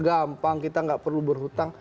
gampang kita nggak perlu berhutang